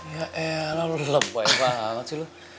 ya elah lo lebay banget sih lo